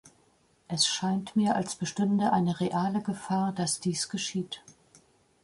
Es scheint mir als bestünde eine reale Gefahr, dass dies geschieht.